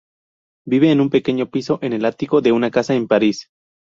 Vive en un pequeño piso en el ático de una casa en París.